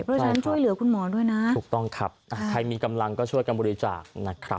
เพราะฉะนั้นช่วยเหลือคุณหมอด้วยนะถูกต้องครับใครมีกำลังก็ช่วยกันบริจาคนะครับ